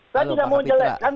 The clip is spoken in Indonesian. saya tidak mau menjelekkan